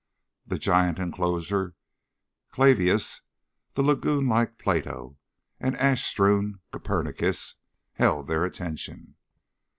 The giant enclosure Clavius, the lagoon like Plato and ash strewn Copernicus held their attention.